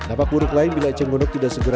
kenapa kurik lain bila eceng gondok tidak sempurna